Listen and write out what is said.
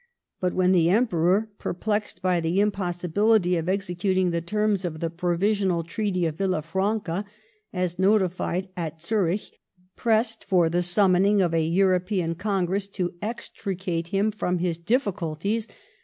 But when the Emperor, perplexed by the impossibility of executing the terms of the provisional Treaty of Villa&anca as notified at Zurich, pressed for the summoning of a European Congress to extricate him from his difficulties.